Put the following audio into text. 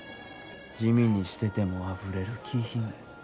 地味にしててもあふれる気品。